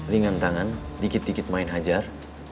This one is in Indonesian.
lengantangan dikit dikit main hajar